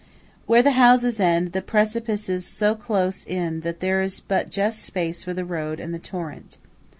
Where the houses end, the precipices so close in that there is but just space for the road and the torrent.